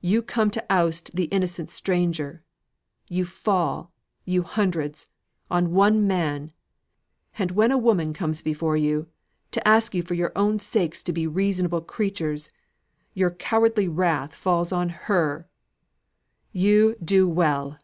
"You come to oust the innocent stranger. You fall you hundreds on one man; and when a woman comes before you, to ask you for your own sakes to be reasonable creatures, your cowardly wrath falls upon her! You do well!"